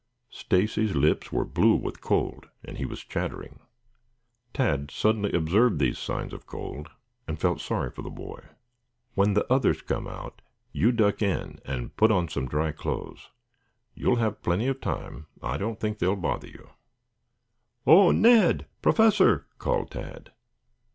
Stacy's lips were blue with cold and he was chattering. Tad suddenly observed these signs of cold and felt sorry for the boy. "When the others come out, you duck in and put on some dry clothes. You will have plenty of time. I don't think they will bother you. Oh, Ned! Professor!" called Tad.